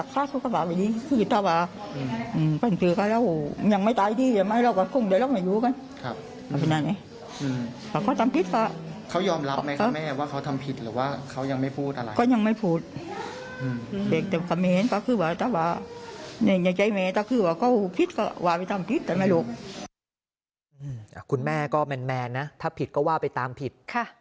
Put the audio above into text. คุณแม่ก็แมนนะถ้าผิดก็ว่าไปตามผิด